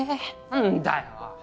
なんだよ！